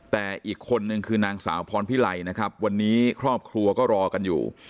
แต่อีกคนนึงคือนางสาวพรพิไลนะครับวันนี้ครอบครัวก็รอกันอยู่